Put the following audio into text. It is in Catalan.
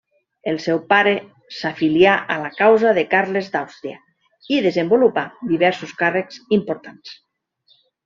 El seu pare s'afilià a la causa de Carles d'Àustria i desenvolupà diversos càrrecs importants.